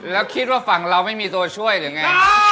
แล้วคิดว่าฝั่งเราไม่มีตัวช่วยหรือไง